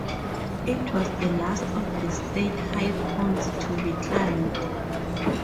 It was the last of the state highpoints to be climbed.